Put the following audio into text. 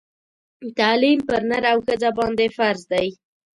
تعلیم پر نر او ښځه باندي فرض دی